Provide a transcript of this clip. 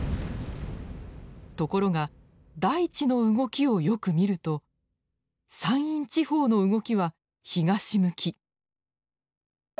ところが大地の動きをよく見ると山陰地方の動きは東向き。